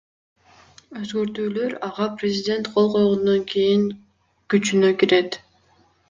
Өзгөртүүлөр ага президент кол койгондон кийин күчүнө кирет.